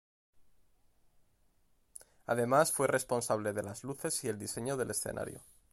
Además fue responsable de las luces y el diseño del escenario.